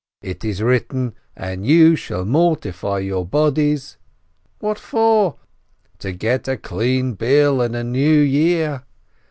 It is written, 'And you shall mortify your bodies.' What for ? To get a clean bill and a good year.